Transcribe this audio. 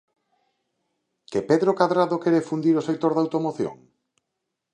¿Que Pedro Cadrado quere fundir o sector da automoción?